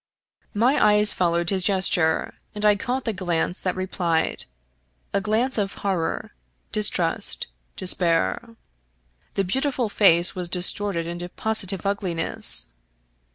My eyes followed his gesture, and I caught the glance that replied — sl glance of horror, distrust, despair. The beautiful face was distorted into positive ugliness.